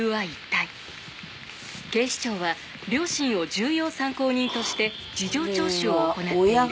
警視庁は両親を重要参考人として事情聴取を行っている。